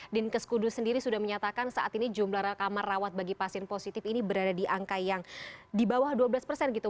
dinkes kudus sendiri sudah menyatakan saat ini jumlah kamar rawat bagi pasien positif ini berada di angka yang di bawah dua belas persen gitu